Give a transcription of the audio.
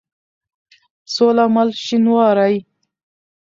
سوله مل شينوارى